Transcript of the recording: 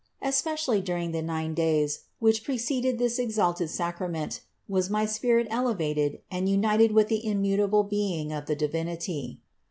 Especially during the nine days, which THE INCARNATION 31 preceded this exalted sacrament was my spirit elevated and united with the immutable being of the Divinity.